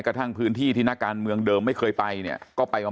กระทั่งพื้นที่ที่นักการเมืองเดิมไม่เคยไปเนี่ยก็ไปมา